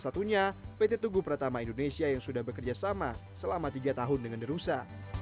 satunya pt tugu pertama indonesia yang sudah bekerjasama selama tiga tahun dengan derusa